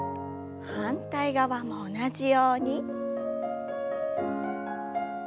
反対側も同じように。